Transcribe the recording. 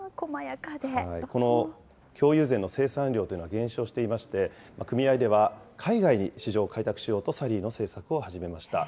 この京友禅の生産量というのは減少していまして、組合では、海外に市場を開拓しようと、サリーの制作を始めました。